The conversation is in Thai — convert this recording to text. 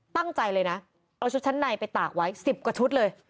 ตั้งใจเลยนะเอาชุดชั้นในไปตากไว้๑๐กว่าชุดเลย